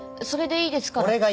それでいいですから。